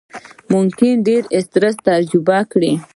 ممکن ډېر سټرس تجربه کړئ،